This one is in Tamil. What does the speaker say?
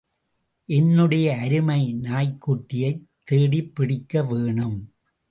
என்னுடைய அருமை நாய்க் குட்டியைத் தேடிப்பிடிக்க வேணும்.